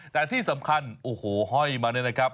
แต่ที่สำคัญโอ้โหห้อยมาเนี่ยนะครับ